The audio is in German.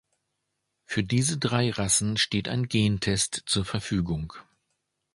Für diese drei Rassen steht ein Gentest zur Verfügung.